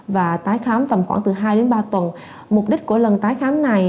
và tái khám tầm khoảng từ hai đến ba tuần mục đích của lần tái khám này